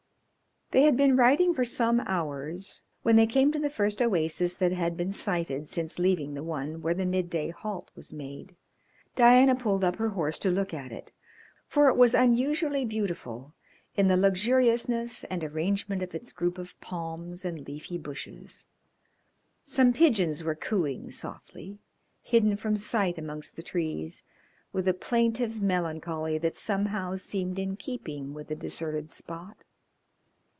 They had been riding for some hours when they came to the first oasis that had been sighted since leaving the one where the midday halt was made. Diana pulled up her horse to look at it, for it was unusually beautiful in the luxuriousness and arrangement of its group of palms and leafy bushes. Some pigeons were cooing softly, hidden from sight amongst the trees, with a plaintive melancholy that somehow seemed in keeping with the deserted spot.